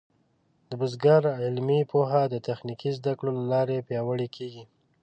د بزګر علمي پوهه د تخنیکي زده کړو له لارې پیاوړې کېږي.